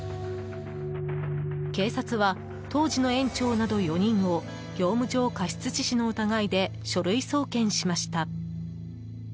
警察は当時の園長など４人を業務上過失致死の疑いで書類送検しました。